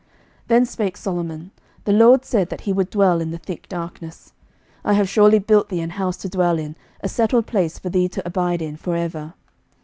11:008:012 Then spake Solomon, The LORD said that he would dwell in the thick darkness. 11:008:013 I have surely built thee an house to dwell in, a settled place for thee to abide in for ever.